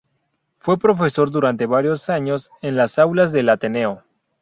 Fue profesor durante varios años en las aulas del Ateneo.